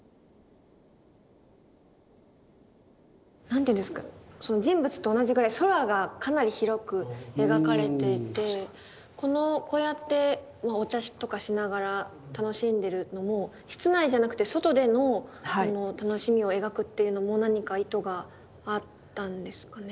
何ていうんですか人物と同じぐらい空がかなり広く描かれていてこのこうやってお茶とかしながら楽しんでるのも室内じゃなくて外での楽しみを描くっていうのも何か意図があったんですかね？